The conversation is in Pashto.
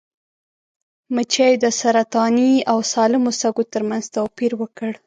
مچیو د سرطاني او سالمو سږو ترمنځ توپیر وکړ.